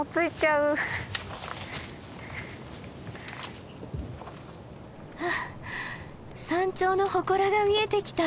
ふう山頂のほこらが見えてきた。